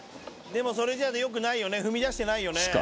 でもそれじゃあよくないよ踏み出してないよね。